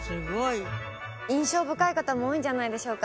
印象深い方も多いんじゃないでしょうか